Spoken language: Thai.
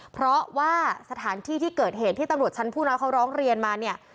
เพราะว่าสถานที่ที่เกิดเหตุที่ตำรวจชั้นผู้น้อยเขาร้องเรียนมาเนี่ย